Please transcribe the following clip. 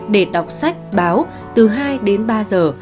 để đọc sách báo từ hai đến ba giờ